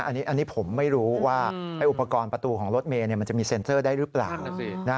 อันนี้ผมไม่รู้ว่าอุปกรณ์ประตูของรถเมย์มันจะมีเซ็นเซอร์ได้หรือเปล่า